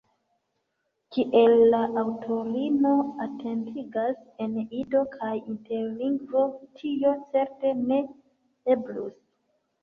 Kiel la aŭtorino atentigas, en Ido kaj Interlingvo tio certe ne eblus.